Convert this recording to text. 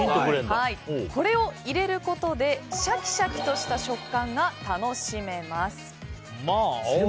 これを入れることでシャキシャキとした食感が楽しめます。